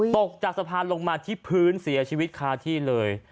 ตกจากสะพานลงมาที่พื้นเสียชีวิตคาที่เลย